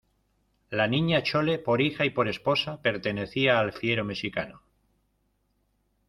la Niña Chole por hija y por esposa, pertenecía al fiero mexicano